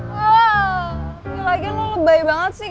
yaudah lagi lu lebay banget sih